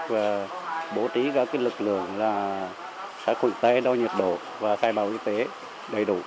và bố trí các lực lượng xã khu vực tây đôi nhiệt độ và khai bào y tế đầy đủ